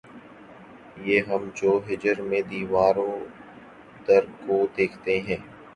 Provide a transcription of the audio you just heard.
یہ ہم جو ہجر میں دیوار و در کو دیکھتے ہیں